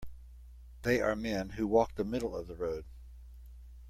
They are men who walk the middle of the road.